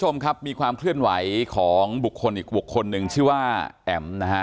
มีความเคลื่อนไหวของบุคคลอีกบุคคลหนึ่งชื่อว่าแอ๋ม